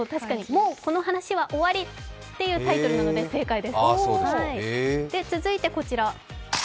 もうこの話は終わりっていうタイトルなので、正解です。